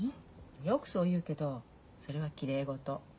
よくそう言うけどそれはきれい事。